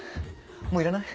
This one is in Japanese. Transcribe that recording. もういらない？